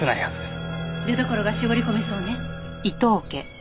出どころが絞り込めそうね。